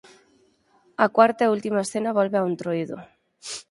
A cuarta e última escena volve ao Entroido.